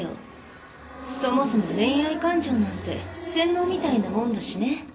そもそも恋愛感情なんて洗脳みたいなもんだしね。